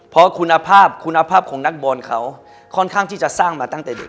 เพราะคุณภาพคุณภาพของนักบอลเขาค่อนข้างที่จะสร้างมาตั้งแต่เด็ก